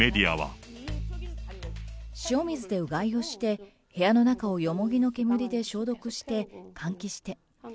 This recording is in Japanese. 塩水でうがいをして、部屋の中をヨモギの煙で消毒して、換気して。